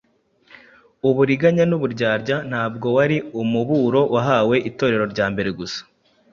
uburiganya n’uburyarya ntabwo wari umuburo wahawe Itorero rya mbere gusa